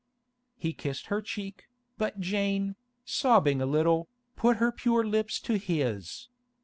He kissed her cheek, but Jane, sobbing a little, put her pure lips to his.